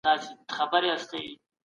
دغه پُل به د هغه زلمي په ښه وي